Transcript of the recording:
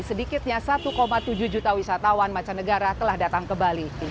sedikitnya satu tujuh juta wisatawan mancanegara telah datang ke bali